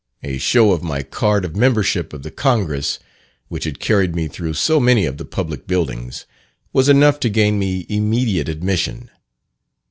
A show of my card of membership of the Congress (which had carried me through so many of the public buildings) was enough to gain me immediate admission.